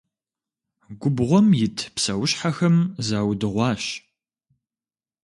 Губгъуэм ит псэущхьэхэм заудыгъуащ.